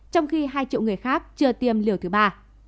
trong khi hai triệu người khác chưa tiêm liều thứ ba